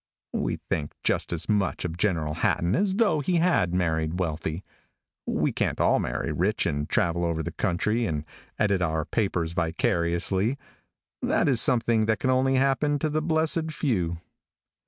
We think just as much of General Hatton as though he had married wealthy. We can't all marry rich and travel over the country, and edit our papers vicariously. That is something that can only happen to the blessed few.